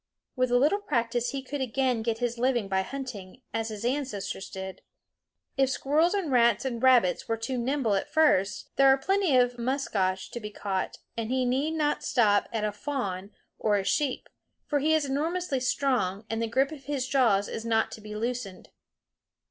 With a little practice he could again get his living by hunting, as his ancestors did. If squirrels and rats and rabbits were too nimble at first, there are plenty of musquash to be caught, and he need not stop at a fawn or a sheep, for he is enormously strong, and the grip of his jaws is not to be loosened.